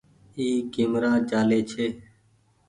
اي ڪيمرا چآلي ڇي